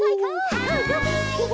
はい！